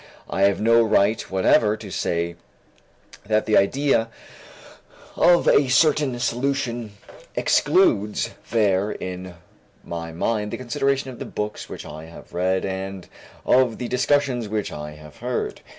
I have no right whatever to say that the idea of a certain solution excludes there in my mind the consideration of the books which I have read and of the discussions which I have heard.